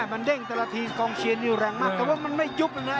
มันเด้งแต่ละทีกองเชียร์นี่แรงมากแต่ว่ามันไม่ยุบเลยนะ